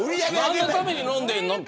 何のために飲んでんのって。